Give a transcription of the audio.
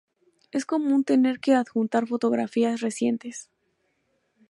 Es común tener que adjuntar fotografías recientes.